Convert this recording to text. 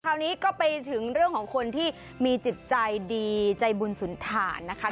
คราวนี้ก็ไปถึงเรื่องของคนที่มีจิตใจดีใจบุญสุนฐานนะคะ